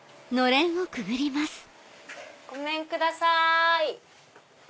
ごめんください。